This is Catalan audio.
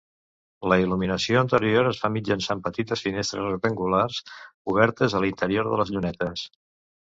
La il·luminació interior es fa mitjançant petites finestres rectangulars obertes a l'interior de les llunetes.